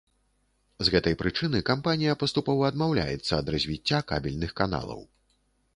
З гэтай прычыны кампанія паступова адмаўляецца ад развіцця кабельных каналаў.